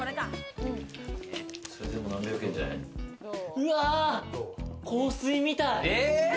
うわ、香水みたい。